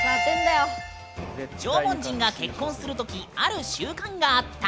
縄文人が結婚するときある習慣があった。